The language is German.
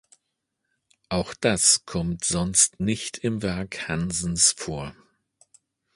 Auch das kommt sonst nicht im Werk Hansens vor.